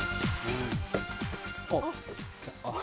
あっ。